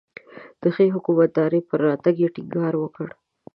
د ښې حکومتدارۍ پر راتګ یې ټینګار وکړ.